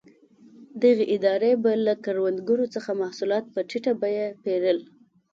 دغې ادارې به له کروندګرو څخه محصولات په ټیټه بیه پېرل.